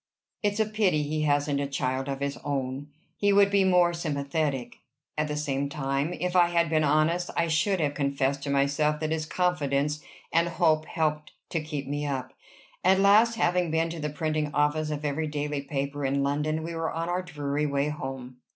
"It's a pity he hasn't a child of his own! he would be more sympathetic." At the same time, if I had been honest, I should have confessed to myself that his confidence and hope helped to keep me up. At last, having been to the printing office of every daily paper in London, we were on our dreary way home.